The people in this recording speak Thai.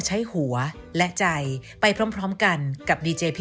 สวัสดีค่ะ